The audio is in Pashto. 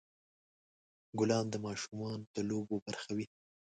ګلان د ماشومان د لوبو برخه وي.